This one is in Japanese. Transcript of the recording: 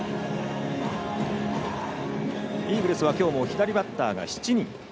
イーグルスはきょうも左バッターが７人。